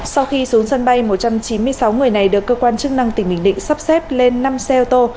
sau khi xuống sân bay một trăm chín mươi sáu người này được cơ quan chức năng tỉnh bình định sắp xếp lên năm xe ô tô